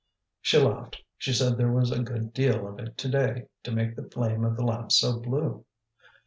She laughed, she said there was a good deal of it to day to make the flame of the lamps so blue.